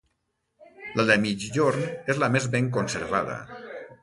La de migjorn és la més ben conservada.